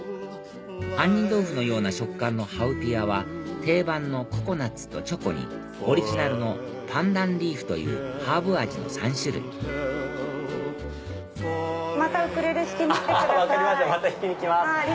杏仁豆腐のような食感のハウピアは定番のココナッツとチョコにオリジナルのパンダンリーフというハーブ味の３種類また弾きに来てください。